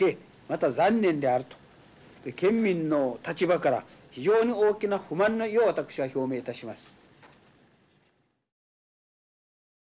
また残念であると県民の立場から非常に大きな不満の意を私は表明いたします。